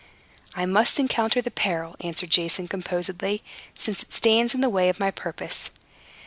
"I must encounter the peril," answered Jason, composedly, "since it stands in the way of my purpose."